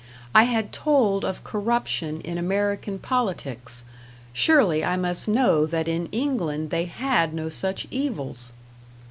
I had told of corruption in American politics; surely I must know that in England they had no such evils!